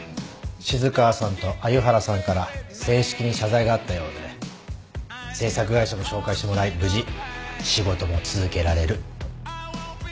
静川さんと鮎原さんから正式に謝罪があったようで制作会社も紹介してもらい無事仕事も続けられると。